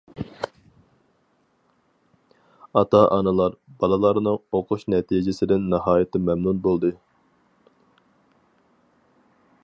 ئاتا-ئانىلار بالىلارنىڭ ئۇقۇش نەتىجىسىدىن ناھايىتى مەمنۇن بولدى.